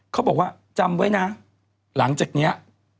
เขาบอกว่าจำไว้นะหลังจากนี้